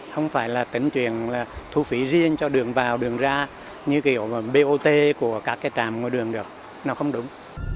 không phải là tính chuyển thu phí riêng cho đường vào đường ra như kiểu bot của các trạm ngôi đường được nó không đúng